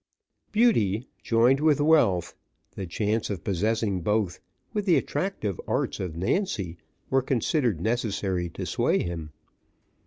Beauty, joined with wealth, the chance of possessing both, with the attractive arts of Nancy, were considered necessary to sway him.